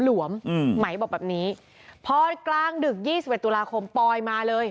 หมายบอกแบบนี้พอกลางดึก๒๐เว็บตุลาคมปลอยมาเลย